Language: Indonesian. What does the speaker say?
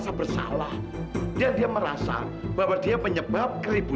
sebelum mama ketemu kamu